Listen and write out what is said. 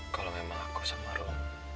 kalau memang aku sama roh